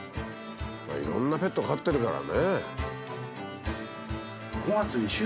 まあいろんなペット飼ってるからね。